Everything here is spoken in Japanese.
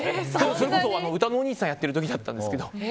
それこそうたのおにいさんやってる時だったんですけど。